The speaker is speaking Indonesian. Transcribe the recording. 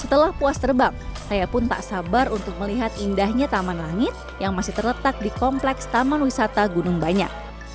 setelah puas terbang saya pun tak sabar untuk melihat indahnya taman langit yang masih terletak di kompleks taman wisata gunung banyak